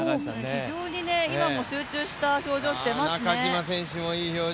非常に今も集中した表情をしていますね。